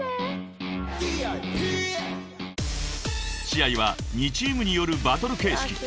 ［試合は２チームによるバトル形式］